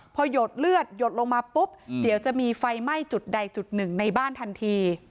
พอหยดเลือดหยดลงมาปุ๊บเดี๋ยวจะมีไฟไหม้จุดใดจุดหนึ่งในบ้านทันที